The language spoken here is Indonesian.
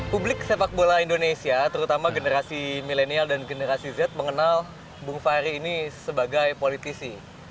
publik sepak bola indonesia terutama generasi milenial dan generasi z mengenal bung fahri ini sebagai politisi